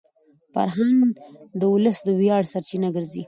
فرهنګ د ولس د ویاړ سرچینه ګرځي.